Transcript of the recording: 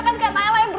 kamu harus mencari aku